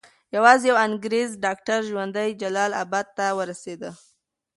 یوازې یو انګریز ډاکټر ژوندی جلال اباد ته ورسېد.